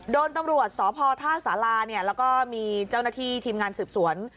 โดนตำรวจสพท่าสาราแล้วก็มีเจ้าหน้าที่ทีมงานสืบสวน